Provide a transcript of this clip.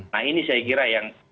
nah ini saya kira yang